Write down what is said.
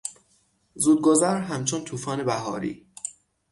زودگذر همچون توفان بهاری